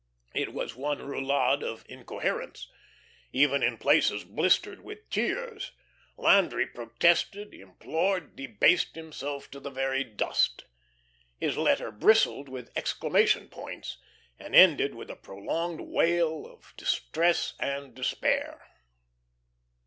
It was one roulade of incoherence, even in places blistered with tears. Landry protested, implored, debased himself to the very dust. His letter bristled with exclamation points, and ended with a prolonged wail of distress and despair.